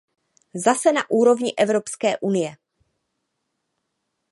Zase na úrovni Evropské unie.